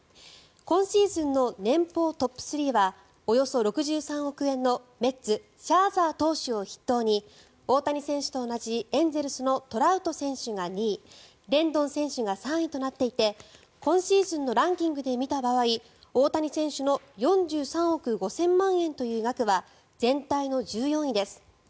今シーズンの年俸トップ３はおよそ６３億円のメッツ、シャーザー投手を筆頭に大谷選手と同じエンゼルスのトラウト選手が２位レンドン選手が３位となっていて今シーズンのランキングで見た場合大谷選手の４３億５０００万円という額は全体の１４位です。